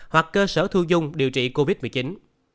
hoặc cơ sở thu dung điều trị covid một mươi chín tại quận huyện